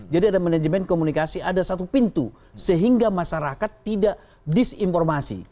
jadi ada manajemen komunikasi ada satu pintu sehingga masyarakat tidak disinformasi